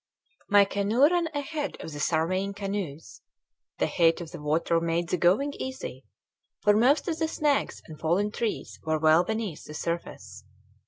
My canoe ran ahead of the surveying canoes. The height of the water made the going easy, for most of the snags and fallen trees were well beneath the surface.